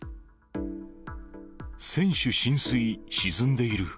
船首浸水、沈んでいる。